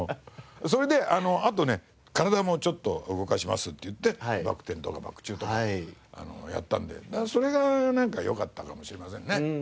それであとね体もちょっと動かしますっていってバク転とかバク宙とかやったんでそれがなんかよかったかもしれませんね。